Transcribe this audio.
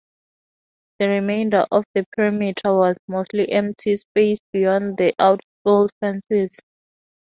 The remainder of the perimeter was mostly empty space beyond the outfield fences.